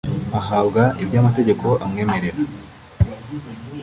ahabwa ibyo amategeko amwemerera